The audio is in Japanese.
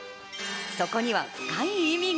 そこには深い意味が。